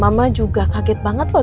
mama juga kaget banget loh